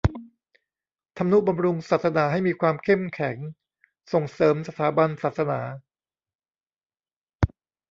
ทำนุบำรุงศาสนาให้มีความเข้มแข็ง ส่งเสริมสถาบันศาสนา